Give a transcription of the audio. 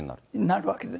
なるわけです。